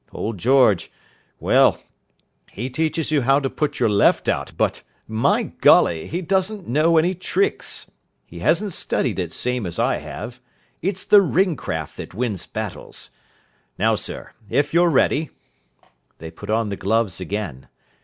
Old George, well, he teaches you how to put your left out, but, my Golly, he doesn't know any tricks. He hasn't studied it same as I have. It's the ring craft that wins battles. Now sir, if you're ready." They put on the gloves again.